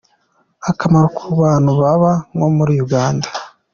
Akamaro ku bantu baba nko muri Uganda:.